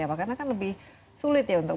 apa karena kan lebih sulit ya untuk